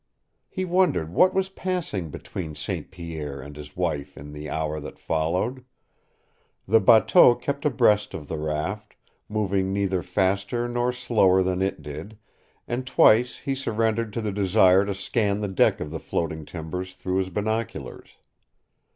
He wondered what was passing between St. Pierre and his wife in the hour that followed. The bateau kept abreast of the raft, moving neither faster nor slower than it did, and twice he surrendered to the desire to scan the deck of the floating timbers through his binoculars.